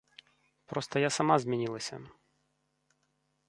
Проста я сама змянілася.